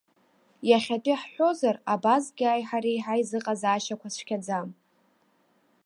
Иахьатәи ҳҳәозар, абазгиааи ҳареи ҳаизыҟазаашьақәа цәгьаӡам.